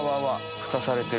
ふたされてる。